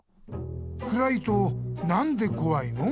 くらいとなんでこわいの？